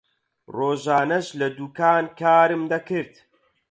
ڕۆژانەش لە دوکان کارم دەکرد.